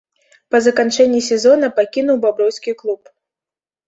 Па заканчэнні сезона пакінуў бабруйскі клуб.